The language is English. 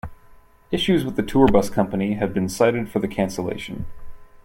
Issues with the tour bus company have been cited for the cancellation.